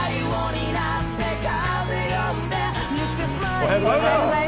おはようございます。